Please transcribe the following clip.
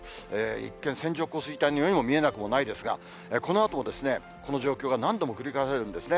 一見、線状降水帯のようにも見えなくもないですが、このあともこの状況が何度も繰り返されるんですね。